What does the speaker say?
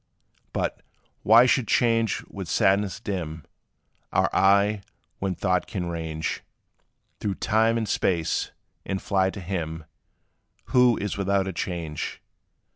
But, why should change with sadness dim Our eye, when thought can range Through time and space, and fly to him, Who is without a change?